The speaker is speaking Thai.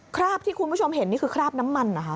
คราบที่คุณผู้ชมเห็นนี่คือคราบน้ำมันเหรอคะ